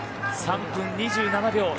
３分２７秒。